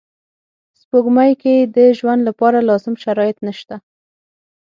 سپوږمۍ کې د ژوند لپاره لازم شرایط نشته